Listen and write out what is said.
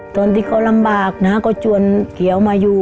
ตอนที่เขาลำบากนะก็ชวนเขียวมาอยู่